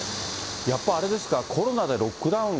やっぱあれですか、コロナでロックダウン